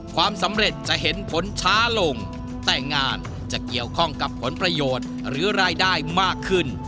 ความสำเร็จจะเห็นผลช้าลงแต่งานจะเกี่ยวข้องกับผลประโยชน์หรือรายได้มากขึ้น